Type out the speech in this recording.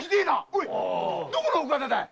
おいどこの奥方だい？